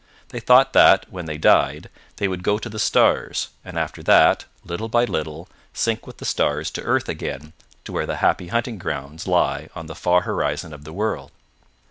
They thought that, when they died, they would go to the stars, and after that, little by little, sink with the stars to earth again, to where the happy hunting grounds lie on the far horizon of the world.